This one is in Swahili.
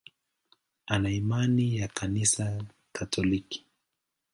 Ana imani ya Kanisa Katoliki.